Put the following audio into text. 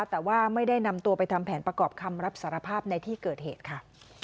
แต่ว่าไม่ได้นำตัวไปทำแผนประกอบคำรับสารภาพในที่เกิดเหตุค่ะ